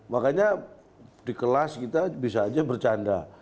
makanya di kelas kita bisa aja bercanda